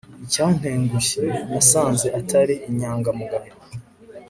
Icyantengushye nasanze atari inyangamugayo